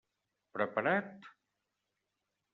Preparat?